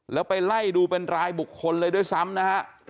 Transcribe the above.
แล้วไปไล่ดูเป็นรายบุคคลเลยด้วยซ้ำนะฮะ